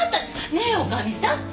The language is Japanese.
ねえ女将さん。